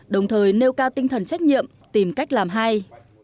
đồng thời nêu cao tinh thần trách nhiệm tìm cách làm hay